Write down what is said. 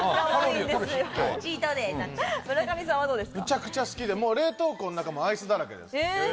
むちゃくちゃ好きで、冷凍庫の中もアイスだらけです。